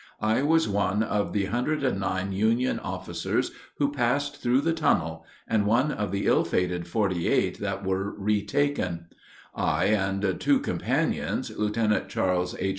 I was one of the 109 Union officers who passed through the tunnel, and one of the ill fated 48 that were retaken. I and two companions Lieutenant Charles H.